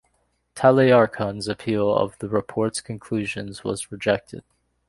Taleyarkhan's appeal of the report's conclusions was rejected.